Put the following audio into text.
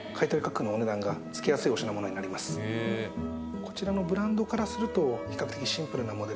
こちらのブランドからすると。